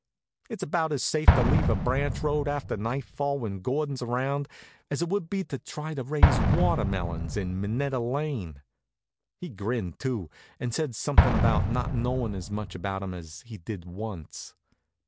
It's about as safe to leave a branch road out after nightfall when Gordon's around as it would be to try to raise watermelons in Minetta Lane. He grinned, too, and said something about not knowing as much about 'em as he did once.